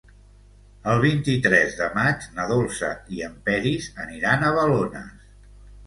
El vint-i-tres de maig na Dolça i en Peris aniran a Balones.